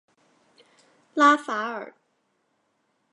拉法尔。